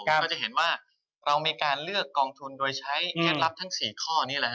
ก็จะเห็นว่าเรามีการเลือกกองทุนโดยใช้เคล็ดลับทั้ง๔ข้อนี้แหละฮ